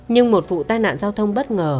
nhưng một vụ tai nạn giao thông bất ngờ